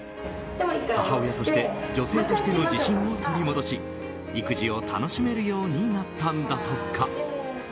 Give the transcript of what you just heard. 母親として女性としての自信を取り戻し育児を楽しめるようになったんだとか。